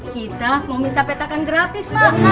kita mau minta petakan gratis pak